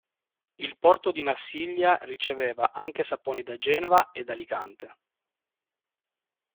Il Porto di Marsiglia riceveva anche saponi da Genova ed Alicante.